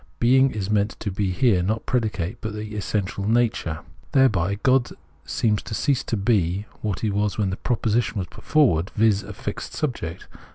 Being is meant to be here not predicate but the essential nature. Thereby, God seems to cease to be what he was when the proposition was put forward, viz. a fixed subject.